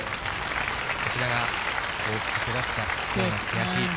こちらが大きく育った欅。